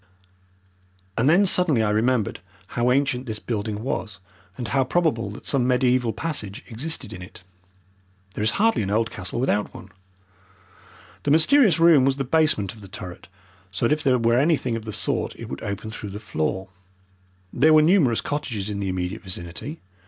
And then suddenly I remembered how ancient this building was, and how probable that some mediaeval passage existed in it. There is hardly an old castle without one. The mysterious room was the basement of the turret, so that if there were anything of the sort it would open through the floor. There were numerous cottages in the immediate vicinity.